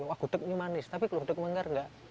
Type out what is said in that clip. wah gudeknya manis tapi kalau gudek manggar enggak